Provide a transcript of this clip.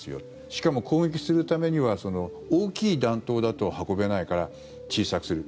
しかも攻撃するためには大きい弾頭だと運べないから小さくする。